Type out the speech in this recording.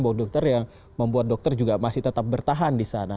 bahwa dokter yang membuat dokter juga masih tetap bertahan di sana